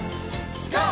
ＧＯ！